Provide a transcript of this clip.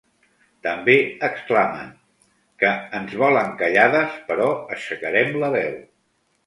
També exclamen que “ens volen callades, però aixecarem la veu!”.